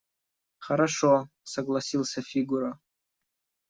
– Хорошо, – согласился Фигура.